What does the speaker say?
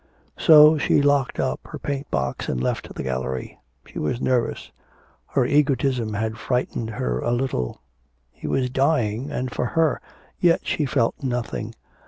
So she locked up her paint box and left the gallery. She was nervous; her egotism had frightened her a little. He was dying, and for her, yet she felt nothing.